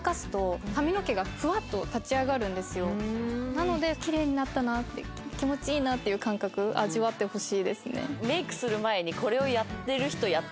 なので奇麗になったな気持ちいいなっていう感覚味わってほしいですね。